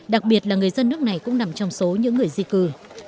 đặc biệt là người dân nước này cũng nằm trong số những người di cư